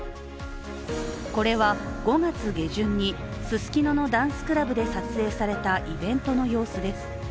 これは５月下旬にススキノのダンスクラブで撮影されたイベントの様子です